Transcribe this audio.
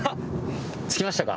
着きましたか？